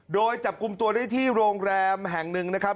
โดยจับกลุ่มตัวได้ที่โรงแรมแห่งหนึ่งนะครับ